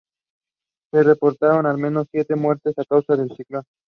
Se reportaron al menos siete muertes a causa del ciclón.